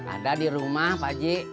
ada di rumah pakji